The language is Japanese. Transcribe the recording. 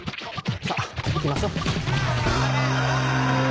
さぁ行きましょう。